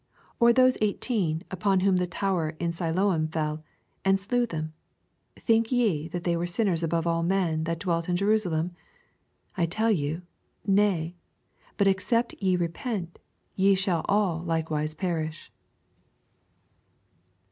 4 Or those eighteen, upon whom the tower in Suoam fell, and slew them, think ye that they were sinners above all men that dwelt in Jerusa lem? 6 I tell you. Nay : but except ye repent, ye shall all likewise perish.